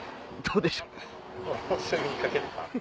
どうでしょう？